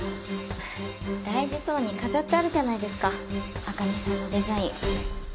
大事そうに飾ってあるじゃないですか朱音さんのデザイン。